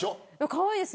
かわいいです。